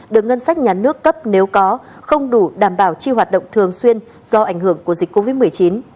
được ngân sách nhà nước cấp nếu có không đủ đảm bảo chi hoạt động thường xuyên do ảnh hưởng của dịch covid một mươi chín